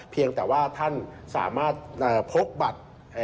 เพียงแต่ว่าท่านสามารถพกบัตร